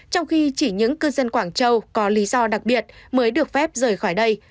trong khi chỉ những cư dân quảng châu có lý do đặc biệt mới được phép rời khỏi đây